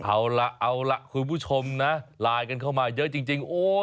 เอาล่ะเอาล่ะคุณผู้ชมนะไลน์กันเข้ามาเยอะจริง